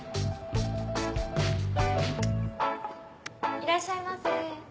いらっしゃいませ。